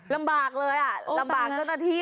ลำบากเลยอ่ะลำบากเจ้าหน้าที่